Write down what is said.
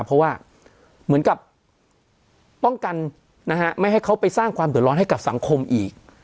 เพราะว่าเหมือนกับป้องกันนะฮะไม่ให้เขาไปสร้างความเดือดร้อนให้กับสังคมอีก